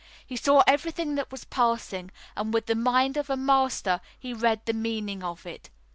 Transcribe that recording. He saw everything that was passing, and with the mind of a master he read the meaning of it.